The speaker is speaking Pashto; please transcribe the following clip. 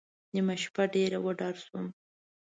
نیمه شپه ډېر وډار شوم.